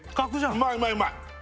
うまいうまいうまい！